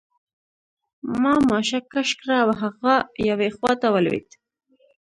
ما ماشه کش کړه او هغه یوې خواته ولوېد